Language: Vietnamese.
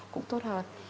cũng tốt hơn